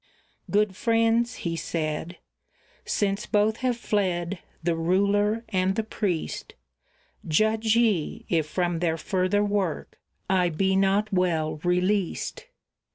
"Good friends," he said, "since both have fled, the ruler and the priest, Judge ye, if from their further work I be not well released."